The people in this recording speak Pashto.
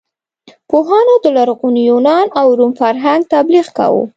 پوهانو د لرغوني یونان او روم فرهنګ تبلیغ کاوه.